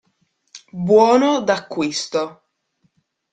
Buono d'acquisto.